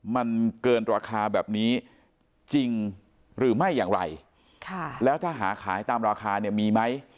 มันเกินราคาแบบนี้จริงหรือไม่อย่างไรแล้วถ้าหาขายตามราคาเนี่ยมีไหม